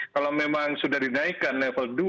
kalau memang sudah dinaikkan level dua